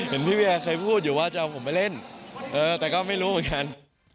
เห็นพี่เวียเคยพูดอยู่ว่าจะเอาผมไปเล่นแต่ก็ไม่รู้เหมือนกัน